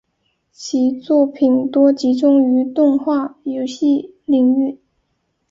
其作品多集中于动画游戏领域。